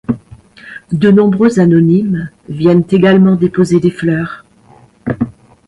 De nombreux anonymes viennent également déposer des fleurs.